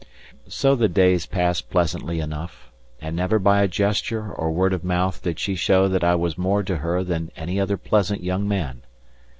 So the days passed pleasantly enough, and never by a gesture or word of mouth did she show that I was more to her than any other pleasant young man.